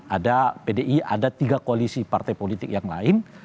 ada pdi ada tiga koalisi partai politik yang lain